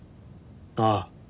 ああ。